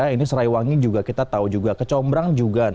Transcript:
ini serai wangi juga kita tahu juga kecombrang juga